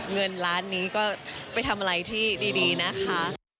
เงินล้านนี้ก็ไปทำอะไรที่ดีนะคะ